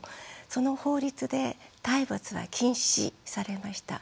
その法律で体罰は禁止されました。